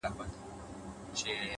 حقیقت ذهن ته ازادي ورکوي’